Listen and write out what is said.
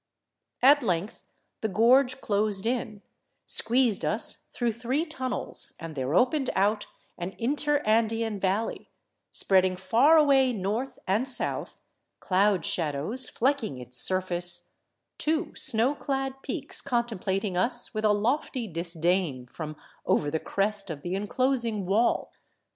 At length the gorge closed in, squeezed us through three tunnels, and there opened out an inter andean valley, spreading far away north and south, cloud shadows flecking its surface, two snowclad peaks contemplating us with a lofty disdain from over the crest of the enclosing wall.